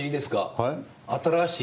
はい？